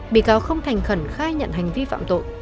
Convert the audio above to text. bị cáo không thành khẩn khai nhận hành vi phạm tội